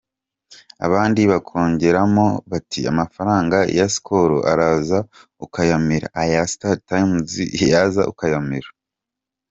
abandi bakongeramo bati amafaranga ya Skol araza ukayamira, aya Startimes yaza ukayamira,…”.